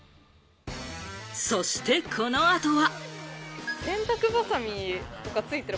そして、この後は。